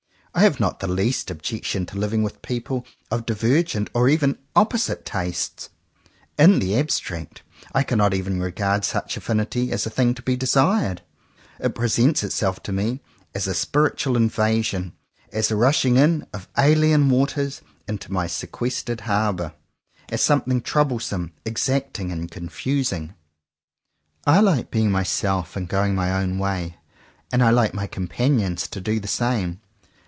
I have not the least objection to living with people of divergent or even opposite tastes. In the abstract, I cannot even regard such affinity as a thing to be desired. It presents itself to me as a spiritual invasion, as a rushing in of alien waters into my sequestered harbour; as something troublesome, exacting and con fusing. 69 CONFESSIONS OF TWO BROTHERS I like being myself and going my own way, and I like my companions to do the same.